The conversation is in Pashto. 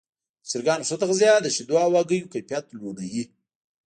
د چرګانو ښه تغذیه د شیدو او هګیو کیفیت لوړوي.